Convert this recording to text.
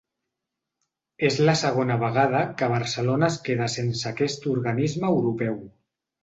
És la segona vegada que Barcelona es queda sense aquest organisme europeu.